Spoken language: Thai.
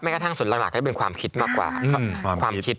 กระทั่งส่วนหลักก็เป็นความคิดมากกว่าความคิด